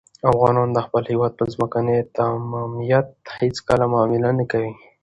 افغانان د خپل هېواد په ځمکنۍ تمامیت هېڅکله معامله نه کوي.